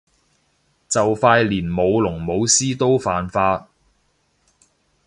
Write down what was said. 就快連舞龍舞獅都犯法